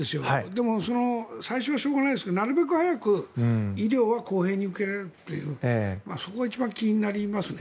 でも、最初はしょうがないですがなるべく早く医療は公平に受けられるというそこが一番気になりますね。